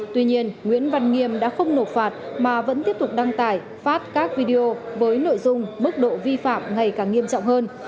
tuy nhiên nguyễn văn nghiêm đã không nộp phạt mà vẫn tiếp tục đăng tải phát các video với nội dung mức độ vi phạm ngày càng nghiêm trọng hơn